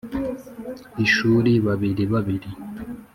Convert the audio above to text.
ishuri babiri babiri